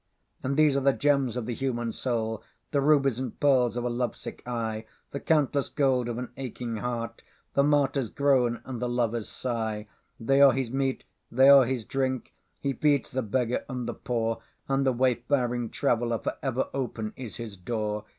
And these are the gems of the human soul, The rubies and pearls of a love sick eye, The countless gold of the aching heart, The martyr's groan and the lover's sigh. They are his meat, they are his drink; He feeds the beggar and the poorAnd the wayfaring traveller:For ever open is his door.